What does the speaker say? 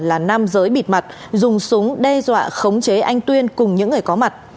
là nam giới bịt mặt dùng súng đe dọa khống chế anh tuyên cùng những người có mặt